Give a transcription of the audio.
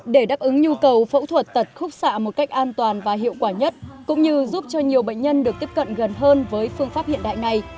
để đáp ứng nhu cầu phẫu thuật tật khúc xạ một cách an toàn và hiệu quả nhất cũng như giúp cho nhiều bệnh nhân được tiếp cận gần hơn với phương pháp hiện đại này